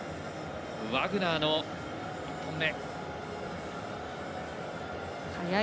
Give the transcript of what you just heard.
ワグナーの１本目。